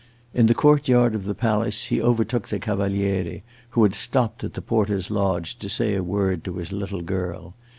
In the court yard of the palace he overtook the Cavaliere, who had stopped at the porter's lodge to say a word to his little girl.